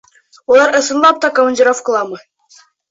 Улар ысынлап та командировкаламы?